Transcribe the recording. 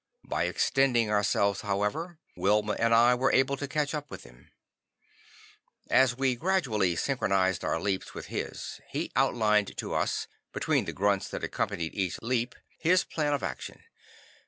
By extending ourselves, however, Wilma and I were able to catch up to him. As we gradually synchronized our leaps with his, he outlined to us, between the grunts that accompanied each leap, his plan of action.